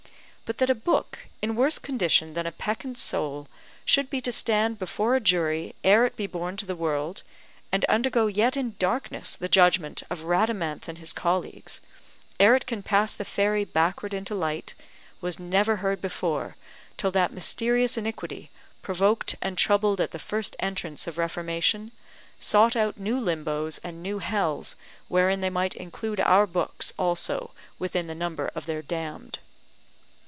But that a book, in worse condition than a peccant soul, should be to stand before a jury ere it be born to the world, and undergo yet in darkness the judgment of Radamanth and his colleagues, ere it can pass the ferry backward into light, was never heard before, till that mysterious iniquity, provoked and troubled at the first entrance of Reformation, sought out new limbos and new hells wherein they might include our books also within the number of their damned.